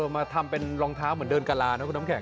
มาทำเป็นรองเท้าเหมือนเดินกะลานะคุณน้ำแข